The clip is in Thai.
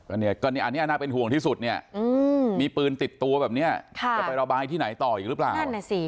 อันนี้น่าเป็นห่วงที่สุดเนี่ยมีปืนติดตัวแบบนี้จะไประบายที่ไหนต่ออีกหรือเปล่า